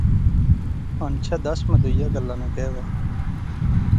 ہنچھا دس ماں دویا گلاہ ناں کہیہ وہا